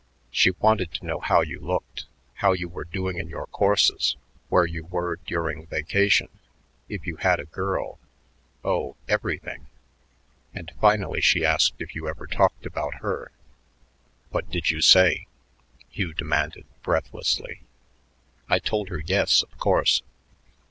She wanted to know how you looked, how you were doing in your courses, where you were during vacation, if you had a girl oh, everything; and finally she asked if you ever talked about her?" "What did you say?" Hugh demanded breathlessly. "I told her yes, of course.